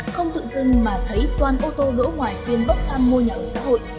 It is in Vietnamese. không tự dưng mà thấy toàn ô tô đỗ ngoài tuyên bốc thăm mua nhà ở xã hội